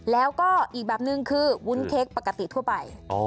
แล้วก็อีกแบบนึงคือวุ้นเค้กปกติทั่วไป